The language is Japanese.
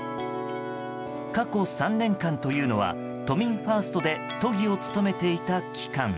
過去３年間というのは都民ファーストで都議を務めていた期間。